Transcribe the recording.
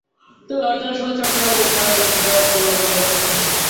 তবে হরতালের সময় চট্টগ্রাম হয়ে সারা দেশে যাওয়ার পণ্য গুদামে পড়ে থাকছে।